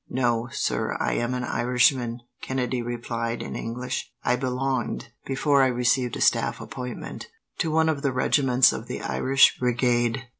"No, sir, I am an Irishman," Kennedy replied, in English. "I belonged, before I received a staff appointment, to one of the regiments of the Irish Brigade."